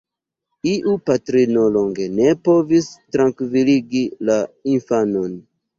Iu patrino longe ne povis trankviligi la infanon.